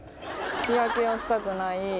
日焼けをしたくない。